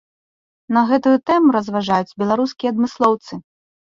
На гэтую тэму разважаюць беларускія адмыслоўцы.